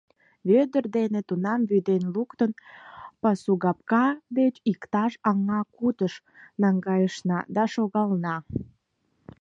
Вӧдыр дене, тунам вӱден луктын, пасугапка деч иктаж аҥа кутыш наҥгайышна да шогална...